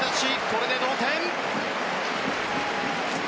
これで同点。